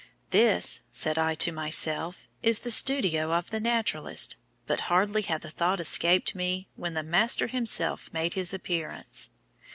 "'This,' said I to myself, 'is the studio of the naturalist,' but hardly had the thought escaped me when the master himself made his appearance.